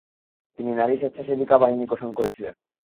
তিনি নারী-স্বেচ্ছাসেবিকা বাহিনী গঠন করেছিলেন।